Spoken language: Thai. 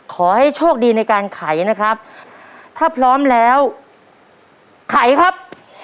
ขอให้โชคดีในการไขนะครับถ้าพร้อมแล้วไขครับ